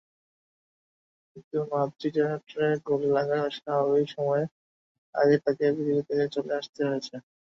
কিন্তু মাতৃজঠরে গুলি লাগায় স্বাভাবিক সময়ের আগেই তাকে পৃথিবীতে চলে আসতে হয়েছে।